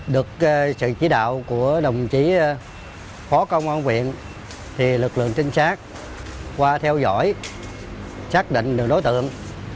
được sự chỉ đạo của đồng chí phó công an huyện lực lượng trinh sát qua theo dõi xác định được đối tượng